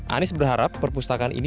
anies berharap perpustakaan ini